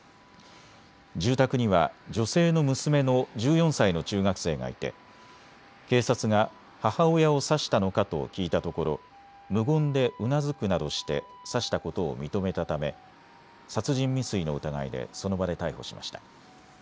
住宅には女性の娘の１４歳の中学生がいて警察が母親を刺したのかと聞いたところ無言でうなずくなどして刺したことを認めたため殺人未遂の疑いでその場で逮捕しました。